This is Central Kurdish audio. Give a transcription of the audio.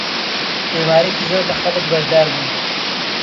ژمارەیەکی زۆر لە خەڵک بەشدار بوون